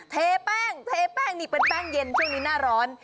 เทแป้งเทแป้งนี่เป็นแป้งเย็นช่วงนี้หน้าร้อน